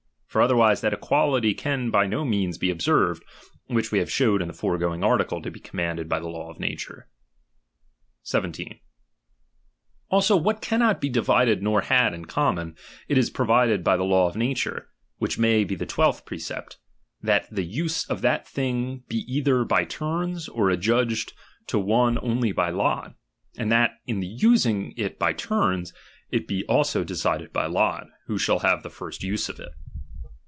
For otherwise that equality can by no means be observed, which we have showed in the fore going article to be commanded by the law of na ture, 17. Also what cannot be divided nor had in common, it is provided by the law of nature, chap. in. which may be the twelfth precept, that the use of „^^^'^^^' that thins he either hy turns, or adjudsed to one inw.ot iuiPg»to mill} by lot ; ana titat tn the using it by turns, it be v also decided by lot, who shall have the first use B of it.